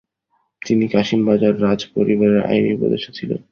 তিনি কাশিমবাজার রাজ পরিবারের আইনি উপদেষ্টা ছিলেন।